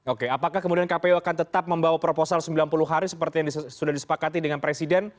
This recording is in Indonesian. oke apakah kemudian kpu akan tetap membawa proposal sembilan puluh hari seperti yang sudah disepakati dengan presiden